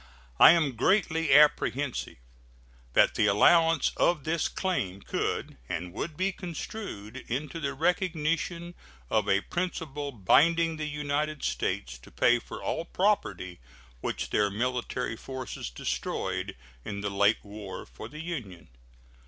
I am greatly apprehensive that the allowance of this claim could and would be construed into the recognition of a principle binding the United States to pay for all property which their military forces destroyed in the late war for the Union.